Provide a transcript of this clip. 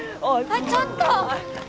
あっちょっと！